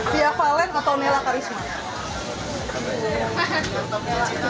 diavalen atau nela karisma